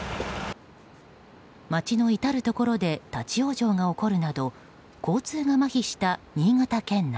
街の至るところで立ち往生が起こるなど交通がまひした新潟県内。